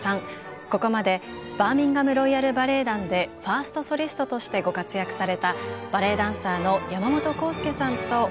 ここまでバーミンガム・ロイヤル・バレエ団でファーストソリストとしてご活躍されたバレエダンサーの山本康介さんとお送りしました。